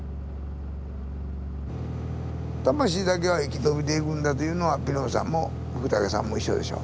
魂だけは生き延びていくんだというのはピノーさんも福武さんも一緒でしょ。